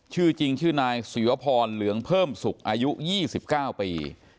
ชื่อจริงชื่อนายศิวพรเหลืองเพิ่มสุขอายุ๒๙ปี